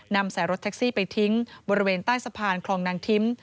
ใส่รถแท็กซี่ไปทิ้งบริเวณใต้สะพานคลองนางทิ้ม